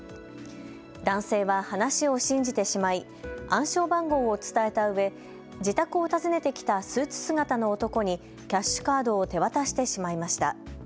男性は話を信じてしまい暗証番号を伝えたうえ自宅を訪ねてきたスーツ姿の男にキャッシュカードを手渡してしまいました。